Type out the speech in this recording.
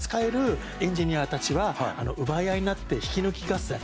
エンジニアたちは奪い合いになって引き抜き合戦。